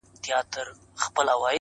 كومه پېغله به غرمه د ميوند سره كي!